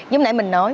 giống nãy mình nói